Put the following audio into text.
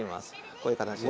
こういう形で。